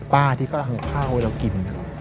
ป้าที่เขาเอาข้าวให้เรากิน